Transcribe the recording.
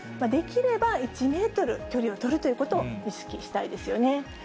できれば１メートル距離を取るということを意識したいですよね。